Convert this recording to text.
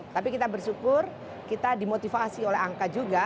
tapi kita bersyukur kita dimotivasi oleh angka juga